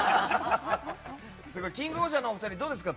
「キングオージャー」のお二人どうですか？